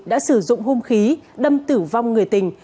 đã sử dụng hung khí đâm tử vong người tình